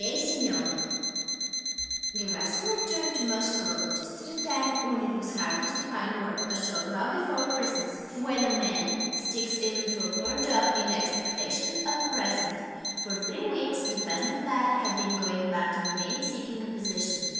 SEMYONOV I Gerasim returned to Moscow just at a time when it was hardest to find work, a short while before Christmas, when a man sticks even to a poor job in the expectation of a present. For three weeks the peasant lad had been going about in vain seeking a position.